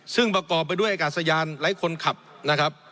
ซึ่งประกอบไปด้วยอากาศยานไร้คนขับนะครับ